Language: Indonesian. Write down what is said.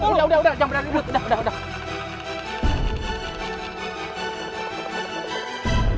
udah udah jangan berani ngikut udah udah jangan berani ngikut